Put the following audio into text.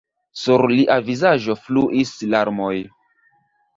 Sur lia vizaĝo fluis larmoj.